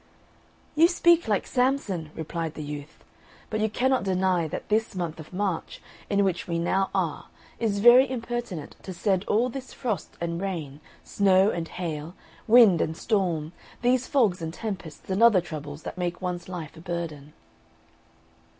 "You speak like Samson!" replied the youth; "but you cannot deny that this month of March, in which we now are, is very impertinent to send all this frost and rain, snow and hail, wind and storm, these fogs and tempests and other troubles, that make one's life a burden."